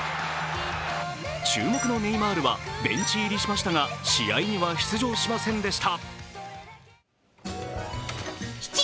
注目のネイマールはベンチ入りしましたが、試合には出場しませんでした。